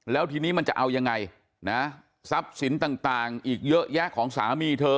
แล้วทีนี้มันจะเอายังไงนะทรัพย์สินต่างอีกเยอะแยะของสามีเธอ